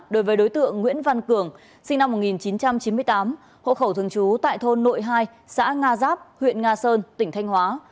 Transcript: đối với đối tượng nguyễn văn cường sinh năm một nghìn chín trăm chín mươi tám hộ khẩu thường trú tại thôn nội hai xã nga giáp huyện nga sơn tỉnh thanh hóa